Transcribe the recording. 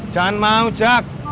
jangan mau jak